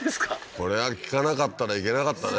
これは聞かなかったら行けなかったね